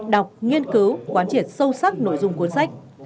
đọc nghiên cứu quán triệt sâu sắc nội dung cuốn sách